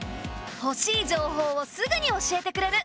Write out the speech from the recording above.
欲しい情報をすぐに教えてくれる。